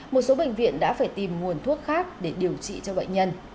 một số bệnh viện đã phải tìm nguồn thuốc khác để điều trị cho bệnh nhân